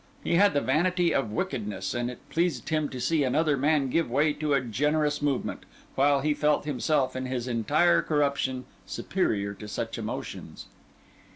He had the vanity of wickedness; and it pleased him to see another man give way to a generous movement, while he felt himself, in his entire corruption, superior to such emotions.